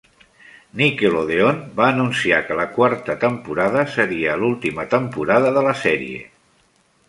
Nickelodeon va anunciar que la quarta temporada seria l'última temporada de la sèrie.